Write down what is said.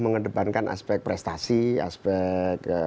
mengedepankan aspek prestasi aspek